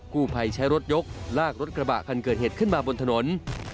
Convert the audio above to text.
ผู้ภัยใช้รถยกลากรถกระบะคันเกิดเหตุขึ้นมาบนถนน